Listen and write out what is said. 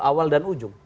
awal dan ujung